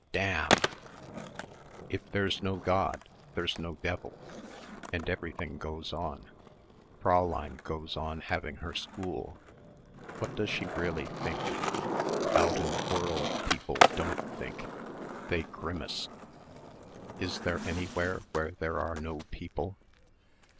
_ DAMN.... If there's no God, there's no Devil ... and everything goes on.... Fräulein goes on having her school.... What does she really think?... Out in the world people don't think.... They grimace.... Is there anywhere where there are no people?